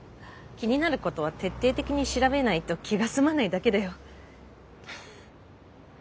気になることは徹底的に調べないと気が済まないだけだよ。